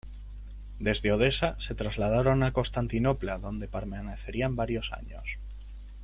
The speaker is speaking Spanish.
Desde Odesa, se trasladaron a Constantinopla, donde permanecerían varios años.